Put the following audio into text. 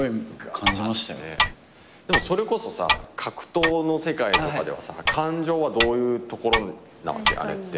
でもそれこそさ格闘の世界とかではさ感情はどういうところなわけ？